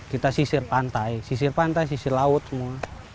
kita sisir pantai sisir pantai sisir laut semua